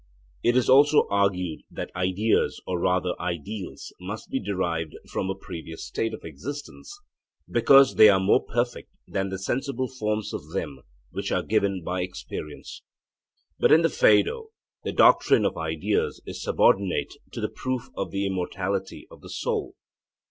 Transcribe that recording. It is also argued that ideas, or rather ideals, must be derived from a previous state of existence because they are more perfect than the sensible forms of them which are given by experience. But in the Phaedo the doctrine of ideas is subordinate to the proof of the immortality of the soul.